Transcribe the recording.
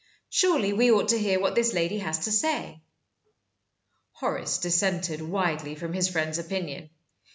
Surely we ought to hear what this lady has to say?" Horace dissented widely from his friend's opinion.